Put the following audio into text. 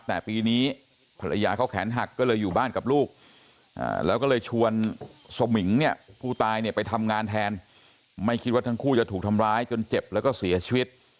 แต่ปีนี้ภรรยาเขาแขนหักก็เลยอยู่บ้านกับลูกแล้วก็เลยชวนสมิงเนี่ยผู้ตายเนี่ยไปทำงานแทนไม่คิดว่าทั้งคู่จะถูกทำร้ายจนเจ็บแล้วก็เสียชีวิต